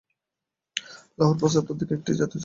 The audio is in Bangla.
লাহোর প্রস্তাব তাদেরকে একটি জাতীয় চেতনা প্রদান করে।